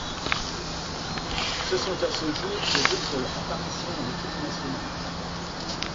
Ce sont à ce jour ses deux seules apparitions en équipe nationale.